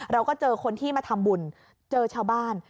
เราก็เจอคนที่มาทำบุญเจอชาวบ้าน